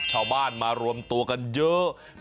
ชาวบ้านมารวมตัวกันเยอะ